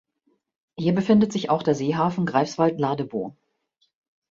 Hier befindet sich auch der Seehafen Greifswald-Ladebow.